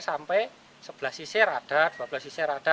sampai sebelah sisir ada dua belas sisir ada